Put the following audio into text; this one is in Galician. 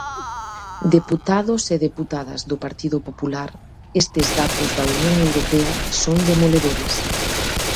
Deputados e deputadas do Partido Popular, estes datos da Unión Europea son demoledores.